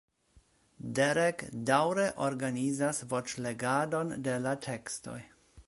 Derek daŭre organizas voĉlegadon de la tekstoj.